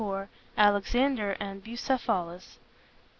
ALEXANDER AND BUCEPHALUS.